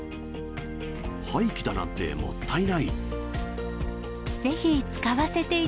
廃棄だなんてもったいない！